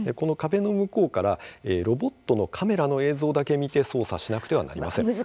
壁の向こうからロボットのカメラの映像だけ見て操作しなくてはなりません。